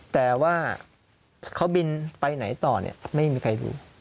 แต่ว่าเขาบินไปไหนต่อเนี่ยไม่มีใครดู